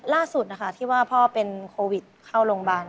ล่าสุดนะคะที่ว่าพ่อเป็นโควิดเข้าโรงพยาบาล